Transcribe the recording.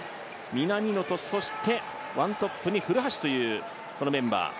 南野とワントップに古橋というメンバー。